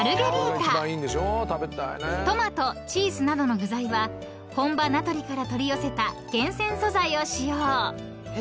［トマトチーズなどの具材は本場ナポリから取り寄せた厳選素材を使用］